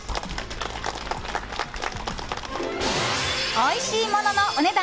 おいしいもののお値段